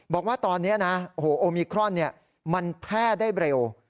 บอกว่าตอนนี้นะโอมิครอนเนี่ยมันแพร่ได้เร็ว